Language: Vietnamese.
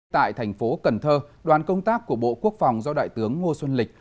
tại thành phố cần thơ đoàn công tác của bộ quốc phòng do đại tướng ngô xuân lịch